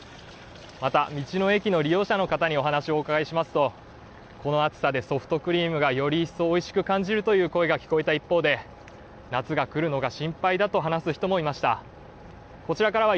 また、道の駅利用者の方にお話をお伺いしますと、ソフトクリームがより一層おいしく感じるという声が聞こえた一方で夏が来るのが心配だと話す人の声も聞こえました。